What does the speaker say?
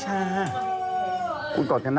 ฉันนึกว่าแอนอลิชา